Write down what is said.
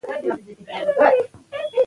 ځوانان د مرګ د ویرې پرته جګړه کوي.